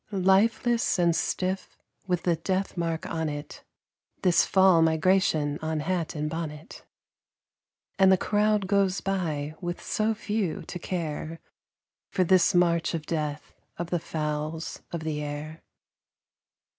Lifeless and stiff, with the death mark on it, This "Fall Migration" on hat and bonnet. And the crowd goes by, with so few to care For this march of death of the "fowls of the air."